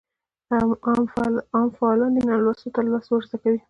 عام فعالان دي نالوستو ته لوست ورزده کړي.